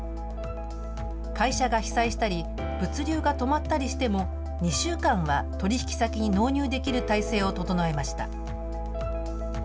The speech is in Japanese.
会社が被災したり物流が止まったりしても２週間は取引先に納入できる体制を整えました。